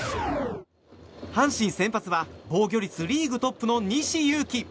阪神先発は防御率リーグトップの西勇輝。